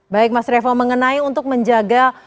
baik mas revo mengenai untuk menjaga